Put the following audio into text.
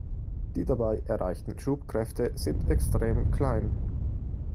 Die dabei erreichten Schubkräfte sind extrem klein.